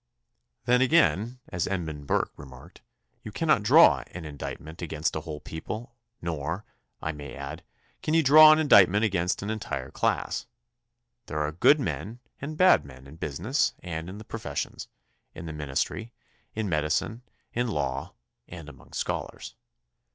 Then, again, as Ed mund Burke remarked, you cannot draw an indict ment against a whole people, nor, I may add, can you draw an indictment against an entire class. There are good men and bad men in business and in the pro fessions, in the ministry, in medicine, in law, and among scholars.